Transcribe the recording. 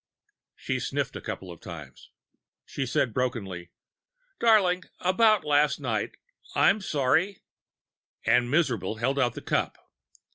She sniffed a couple of times. She said brokenly: "Darling, about last night I'm sorry " and miserably held out the cup.